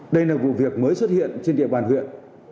đây là vụ việc mới xuất hiện trên địa bàn huyện